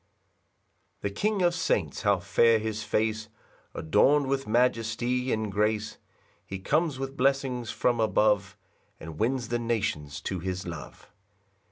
1 The king of saints, how fair his face, Adorn'd with majesty and grace! He comes with blessings from above, And wins the nations to his love.